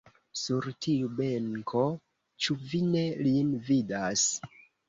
Sur tiu benko, ĉu vi ne lin vidas!